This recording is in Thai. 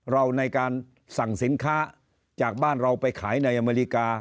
เราในการสั่งสินค้าจากบ้านเราไปขายในอเมริกา